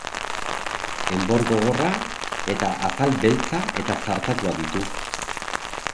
Enbor gogorra eta azal beltza eta zartatua ditu.